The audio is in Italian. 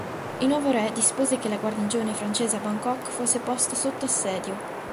Il nuovo re dispose che la guarnigione francese a Bangkok fosse posta sotto assedio.